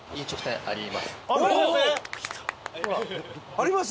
あります？